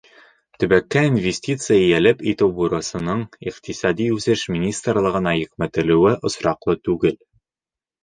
Төбәккә инвестиция йәлеп итеү бурысының Иҡтисади үҫеш министрлығына йөкмәтелеүе осраҡлы түгел.